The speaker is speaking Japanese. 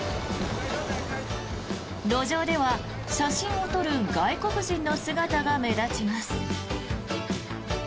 路上では写真を撮る外国人の姿が目立ちます。